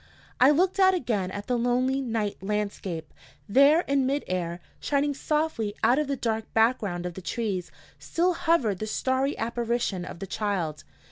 "_ I looked out again at the lonely night landscape. There, in mid air, shining softly out of the dark background of the trees, still hovered the starry apparition of the child.